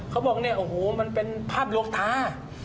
เขาบอกนี่มันเป็นภาพลวกตา